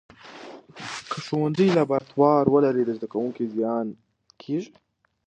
که ښوونځي لابراتوار ولري، د زده کوونکو زیان کېږي.